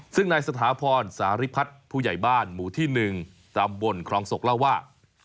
ซึ่งนายสถาพรสาริพัฒน์ผู้ใหญ่บ้านหมู่ที่๑ตำบลครองศกเล่าว่า